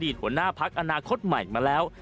หัวหน้าพักอนาคตใหม่มาแล้ว